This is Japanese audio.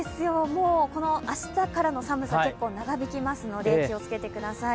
明日からの寒さ結構長引きますので気をつけてください。